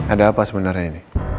ada apa sebenarnya ini